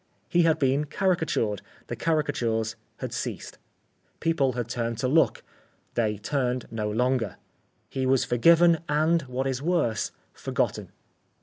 He had been caricatured: the caricatures had ceased. People had turned to look: they looked no longer. He was forgiven and, what is worse, forgotten.